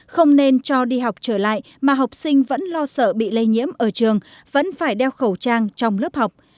không nên cho đi học trở lại mà học sinh vẫn lo sợ bị lây nhiễm ở trường vẫn phải đeo khẩu trang trong lớp học